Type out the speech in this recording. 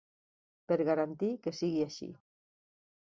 Per garantir que sigui així.